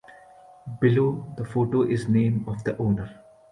Below the photo is the name of the owner.